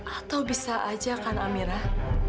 atau bisa aja kan amirah